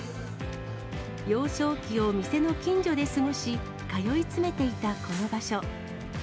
幼少期を店の近所で過ごし、通い詰めていたこの場所。